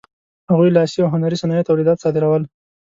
هغوی لاسي او هنري صنایعو تولیدات صادرول.